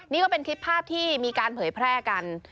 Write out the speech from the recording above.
นี่ก็เป็นคลิปภาพที่มีการเผยแพร่กัน